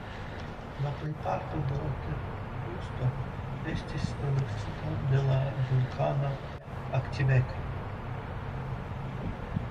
La plej parto de la terkrusto estis produktita de la vulkana aktiveco.